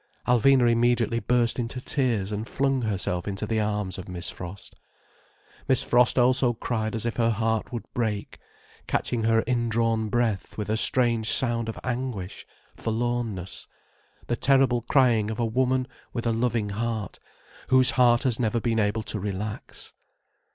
Alvina immediately burst into tears and flung herself into the arms of Miss Frost. Miss Frost also cried as if her heart would break, catching her indrawn breath with a strange sound of anguish, forlornness, the terrible crying of a woman with a loving heart, whose heart has never been able to relax.